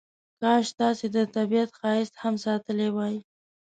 کاش تاسې د طبیعت ښایست هم ساتلی وای.